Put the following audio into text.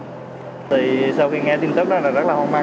thì sau khi nghe tin tức đó là rất là hoang mang